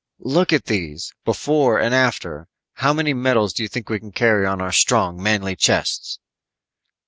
"Look at these. Before and After. How many medals you think we can carry on our strong, manly chests?"